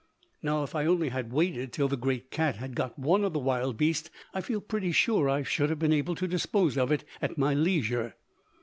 Now, if I had only waited till the great cat had got one of the wildbeest, I feel pretty sure I should have been able to dispose of it at my leisure.